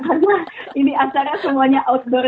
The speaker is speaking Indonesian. karena ini acara semuanya outdoor